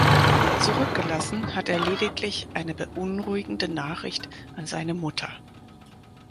Zurückgelassen hat er lediglich eine beunruhigende Nachricht an seine Mutter.